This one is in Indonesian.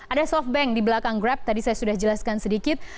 ada softbank di belakang grab tadi saya sudah jelaskan sedikit